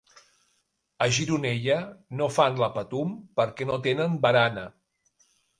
A Gironella, no fan la Patum perquè no tenen barana.